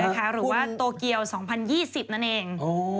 หรือว่าโตเกียว๒๐๒๐นั่นเอง